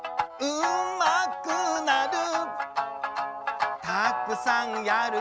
「うまくなる」